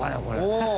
これ。